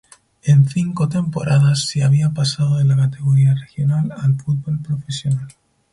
En cinco temporadas se había pasado de la categoría regional al fútbol profesional.